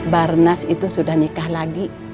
barnas itu sudah nikah lagi